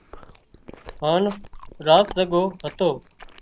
هانَ رات زڳو هتو